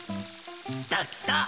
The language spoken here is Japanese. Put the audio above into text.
きたきた